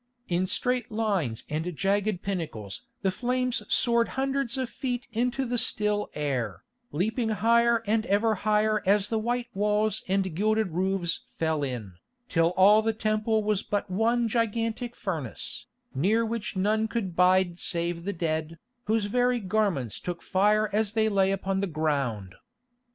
In straight lines and jagged pinnacles the flames soared hundreds of feet into the still air, leaping higher and ever higher as the white walls and gilded roofs fell in, till all the Temple was but one gigantic furnace, near which none could bide save the dead, whose very garments took fire as they lay upon the ground.